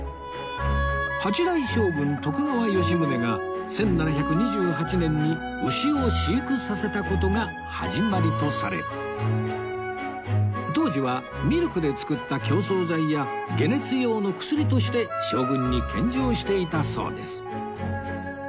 ８代将軍徳川吉宗が１７２８年に牛を飼育させた事が始まりとされ当時はミルクで作った強壮剤や解熱用の薬として将軍に献上していたそうです